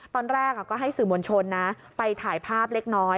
ตอนแรกก็ให้สื่อมวลชนนะไปถ่ายภาพเล็กน้อย